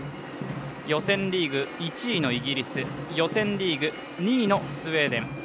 予選リーグ１位のイギリス予選リーグ２位のスウェーデン。